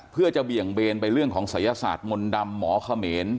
เพื่อจะเบี่ยงเบนไปเรื่องของศัยศาสตร์มนต์ดำหมอเขมร